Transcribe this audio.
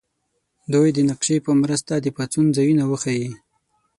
دوی دې د نقشې په مرسته د پاڅون ځایونه وښیي.